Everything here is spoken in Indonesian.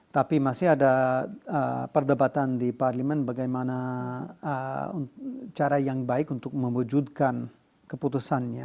tapi masih ada perdebatan di parlimen bagaimana cara yang baik untuk mewujudkan keputusannya